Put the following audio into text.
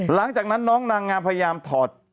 หลังจากนั้นน้องนางงามพยายามถอด